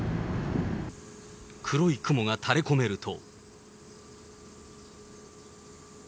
黒い雲が垂れこめると。